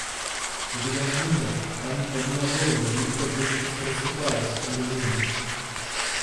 Увидав мужа, Анна подняла голову и, как будто просыпаясь, улыбнулась.